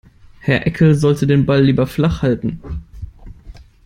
Herr Eckel sollte den Ball lieber flach halten.